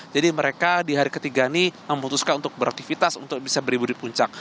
jadi mereka di hari ketiga ini memutuskan untuk beraktivitas untuk bisa berlibur di puncak